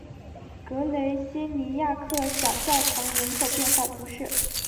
格雷西尼亚克小教堂人口变化图示